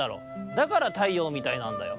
だから太陽みたいなんだよ。